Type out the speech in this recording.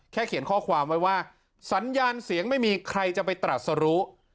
เขียนข้อความไว้ว่าสัญญาณเสียงไม่มีใครจะไปตรัสรู้